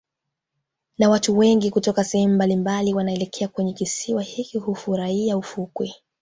Na watu wengi kutoka sehemu mbalimbali wanaelekea kwenye kisiwa hiki hufurahia fukwe